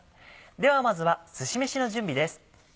ではまずはすしめしの準備です。